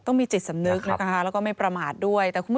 ต้องมีจิตสำนึกนะคะแล้วก็ไม่ประมาทด้วย